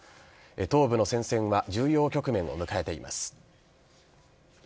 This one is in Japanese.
東部の戦線は重要局面を迎えています。